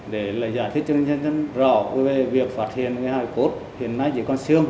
để giải thích cho nhân dân rõ về việc phát triển hai cốt hiện nay chỉ còn xương